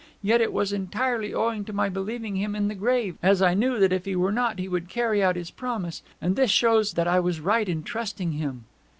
Yet it was entirely owing to my believing him in the grave, as I knew that if he were not he would carry out his promise; and this shows that I was right in trusting him.'